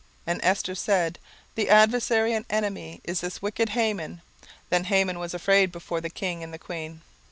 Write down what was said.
17:007:006 And Esther said, The adversary and enemy is this wicked Haman. Then Haman was afraid before the king and the queen.